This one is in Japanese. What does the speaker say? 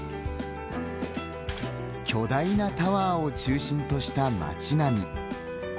巨大なタワーを中心とした街並。